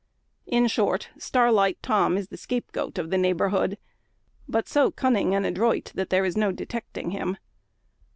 In short, Starlight Tom is the scapegoat of the neighbourhood; but so cunning and adroit, that there is no detecting him.